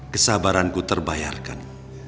kesabaran ku terbayarkan